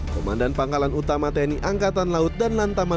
pemandan pangkalan utama tni angkatan laut dan lantaman lima